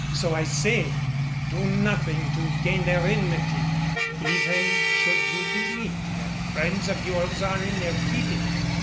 So I say, do nothing to gain their enmity, even should you believe that friends of yours are in their keeping."